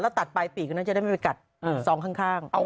แล้วตัดไปปีกคนนั้นจะได้ไม่ไปกัดซองข้าง